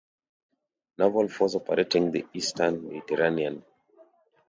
Naval Force operating the eastern Mediterranean.